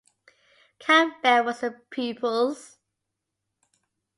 Campbell were his pupils.